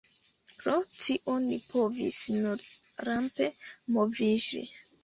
Pro tio ni povis nur rampe moviĝi.